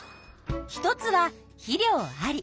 一つは「肥料あり」